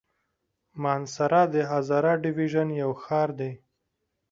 مانسهره د هزاره ډويژن يو ښار دی.